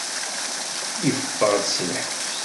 Yeffey-d si lḥebs.